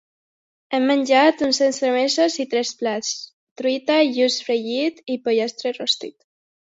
Hem menjat uns entremesos i tres plats: truita, lluç fregit i pollastre rostit.